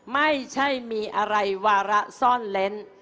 ไม่ใช่มีอะไรวาระซ่อนเล้น